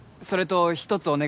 それと一つ